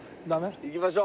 行きましょう。